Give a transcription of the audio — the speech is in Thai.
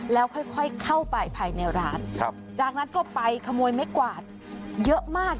แล้วค่อยเข้าไปภายในร้านจากนั้นก็ไปขโมยไม้กวาดเยอะมาก